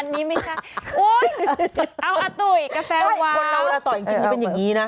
อันนี้ไม่ใช่เอาอาตุ๋ยกาแฟวาคนเราเวลาต่อยจริงจะเป็นอย่างนี้นะ